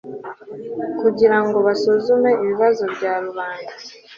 kugira ngo basuzume ibibazo bya rubanda